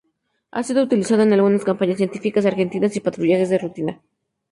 Ha sido utilizado en algunas campañas científicas argentinas y patrullajes de rutina.